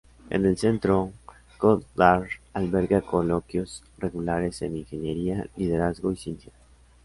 En el centro, Goddard alberga coloquios regulares en ingeniería, liderazgo y ciencia.